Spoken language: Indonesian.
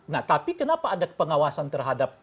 nah tapi kenapa ada pengawasan terhadap